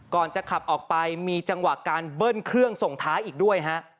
ก่อนจะขับออกไปมีจังหวะการเบิ้ลเครื่องส่งท้ายอีกด้วยฮะ